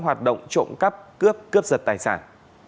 hoạt động trộm cắp cướp cướp giật tài sản